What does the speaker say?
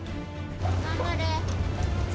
頑張れ。